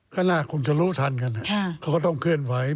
ก็น่าคงจะรู้ทันกันเขาก็ต้องเคลื่อนไหว